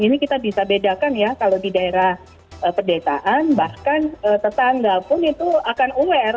ini kita bisa bedakan ya kalau di daerah perdetaan bahkan tetangga pun itu akan aware